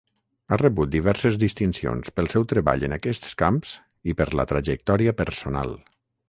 Ha rebut diverses distincions pel seu treball en aquests camps i per la trajectòria personal.